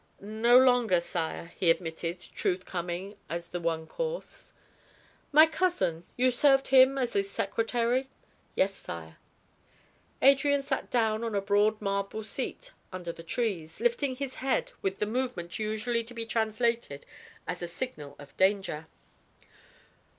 "No longer, sire," he admitted, truth coming as the one course. "My cousin, you served him as his secretary?" "Yes, sire." Adrian sat down on a broad marble seat under the trees, lifting his head with the movement usually to be translated as a signal of danger.